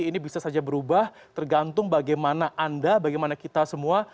ini bisa saja berubah tergantung bagaimana anda bagaimana kita semua